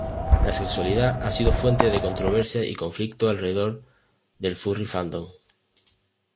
La sexualidad ha sido fuente de controversia y conflicto alrededor del furry Fandom.